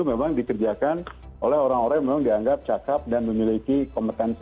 memang dikerjakan oleh orang orang yang memang dianggap cakep dan memiliki kompetensi